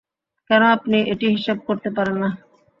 কেন আপনি এটি হিসাব করতে পারেন না?